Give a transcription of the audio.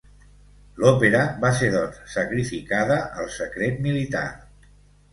L'òpera va ser doncs sacrificada al secret militar.